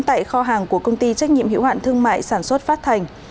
tại kho hàng của công ty trách nhiệm hiệu hạn thương mại sản xuất phát thành